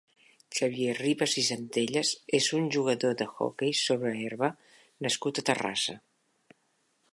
Xavier Ribas i Centelles és un jugador d'hoquei sobre herba nascut a Terrassa.